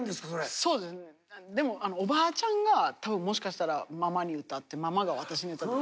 そうですねでもおばあちゃんが多分もしかしたらママに歌ってママが私に歌って。